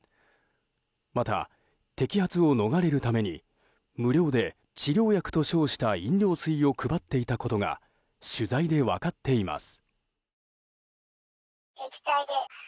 また、摘発を逃れるために無料で治療薬と称した飲料水を配っていたことが取材で分かっています。